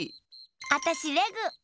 あたしレグ！